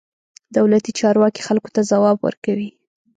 دولتي چارواکي خلکو ته ځواب ورکوي.